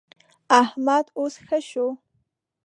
احمد اوس ښه شو.